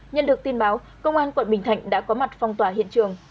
nhận được tin báo công an quận bình thạnh đã có mặt phong tỏa hiện trường